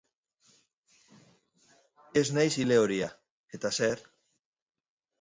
Ez naiz ilehoria, eta zer?